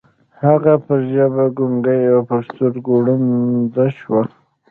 هغه پر ژبه ګونګۍ او پر سترګو ړنده شوه.